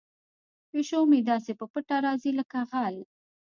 پیشو مې داسې په پټه راځي لکه غل.